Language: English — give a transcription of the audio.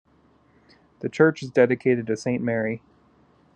The Church is dedicated to Saint Mary.